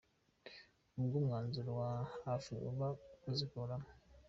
Ubwo umwanzuro wa hafi uba kuzikuramo.